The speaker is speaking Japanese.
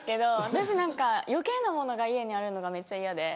私何か余計なものが家にあるのがめっちゃ嫌で。